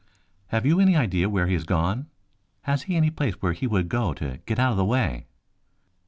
"Have you any idea where he has gone? Has he any place where he would go to get out of the way?"